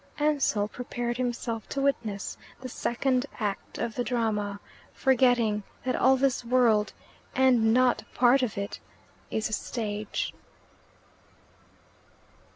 '" Ansell prepared himself to witness the second act of the drama; forgetting that all this world, and not part of it, is a stage.